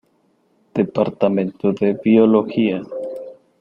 Departamento de Biología.